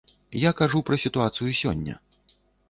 Я кажу пра сітуацыю сёння.